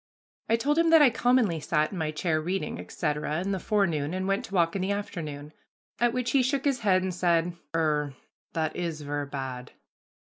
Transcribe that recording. I told him that I commonly sat in my chamber reading, etc., in the forenoon, and went to walk in the afternoon. At which he shook his head and said, "Er, that is ver' bad."